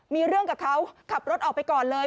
มีเรื่องกับเขาขับรถออกไปก่อนเลย